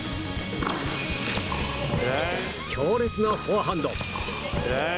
強烈なフォアハンド！